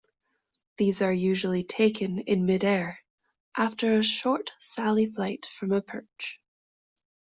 These are usually taken in mid-air, after a short sally flight from a perch.